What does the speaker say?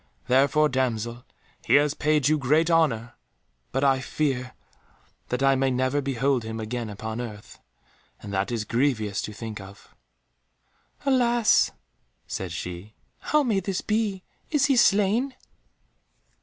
Therefore, damsel, he has paid you great honour. But I fear that I may never behold him again upon earth, and that is grievous to think of." "Alas!" said she, "how may this be? Is he slain?"